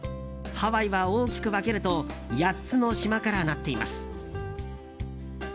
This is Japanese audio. ハワイは大きく分けると８つの島からなっています。